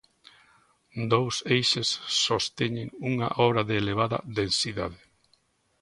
Dous eixes sosteñen unha obra de elevada densidade.